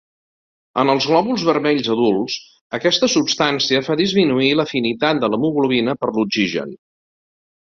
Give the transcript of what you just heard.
En els glòbuls vermells adults, aquesta substància fa disminuir l’afinitat de l’hemoglobina per l’oxigen.